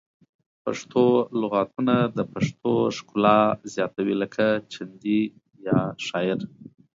پښتو لغتونه د پښتو ښکلا زیاتوي لکه چندي یا شاعر